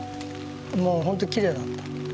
もうほんときれいだった。